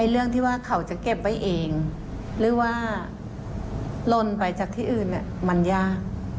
เรื่องที่ว่าเขาจะเก็บไว้เองหรือว่าลนไปจากที่อื่นมันยาก